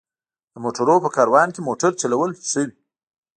د موټرونو په کاروان کې موټر چلول ښه وي.